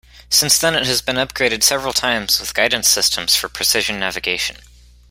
Since then, it has been upgraded several times with guidance systems for precision navigation.